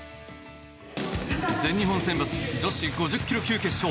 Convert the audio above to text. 全日本選抜女子５０ｋｇ級決勝。